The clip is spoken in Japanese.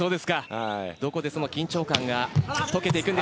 どこで緊張感が溶けていくか。